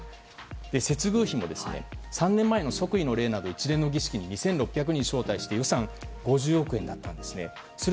接遇費も３年前の即位の礼など一連の儀式に２６００人招待して予算５０億円だったんです。